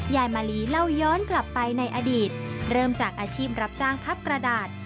ยายมาลีเล่าย้อนกลับไปในอดีตเริ่มจากอาชีพรับจ้างพับกระดาษ